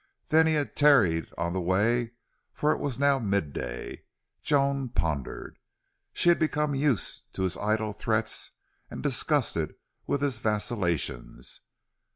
Then he had tarried on the way, for it was now midday. Joan pondered. She had become used to his idle threats and disgusted with his vacillations.